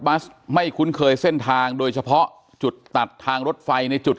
ัสไม่คุ้นเคยเส้นทางโดยเฉพาะจุดตัดทางรถไฟในจุด